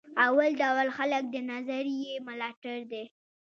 اول ډول خلک د نظریې ملاتړ دي.